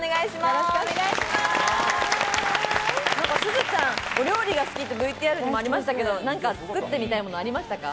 すずちゃん、お料理が好きってＶＴＲにもありましたけど、何か作ってみたいものありましたか？